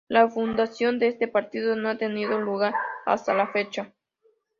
La fundación de este partido no ha tenido lugar hasta la fecha.